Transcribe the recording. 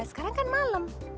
sekarang kan malam